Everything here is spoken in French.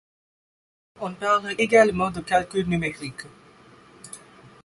On parle également de calcul numérique.